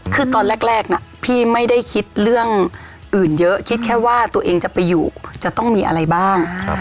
คือตอนแรกน่ะพี่ไม่ได้คิดเรื่องอื่นเยอะคิดแค่ว่าตัวเองจะไปอยู่จะต้องมีอะไรบ้าง